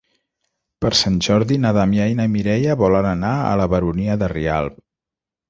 Per Sant Jordi na Damià i na Mireia volen anar a la Baronia de Rialb.